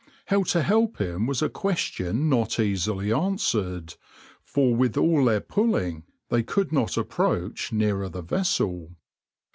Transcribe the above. How to help him was a question not easily answered, for with all their pulling they could not approach nearer the vessel.